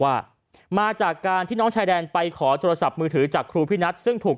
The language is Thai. ว่ามาจากการที่น้องชายแดนไปขอโทรศัพท์มือถือจากครูพินัทซึ่งถูก